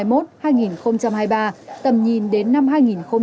thời kỳ hai nghìn hai mươi một hai nghìn hai mươi ba tầm nhìn đến năm hai nghìn năm mươi